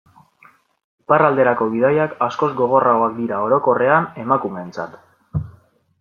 Iparralderako bidaiak askoz gogorragoak dira orokorrean emakumeentzat.